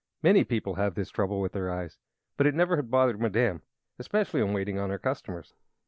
Many people have this trouble with their eyes; but it never had bothered Madame especially in waiting upon her customers.